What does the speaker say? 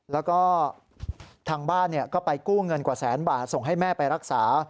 แล้วก็ทางบ้านก็ไปกู้เงินกว่าแสนบาทส่งให้แม่ไปรักษา